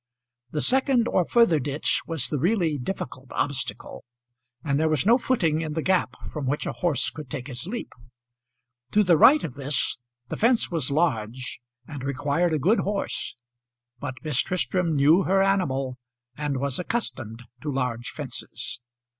The second or further ditch was the really difficult obstacle, and there was no footing in the gap from which a horse could take his leap. To the right of this the fence was large and required a good horse, but Miss Tristram knew her animal and was accustomed to large fences.